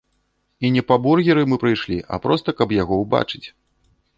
І не па бургеры мы прыйшлі, а проста, каб яго ўбачыць.